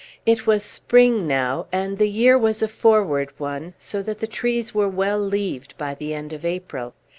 It was spring now, and the year was a forward one, so that the trees were well leaved by the end of April.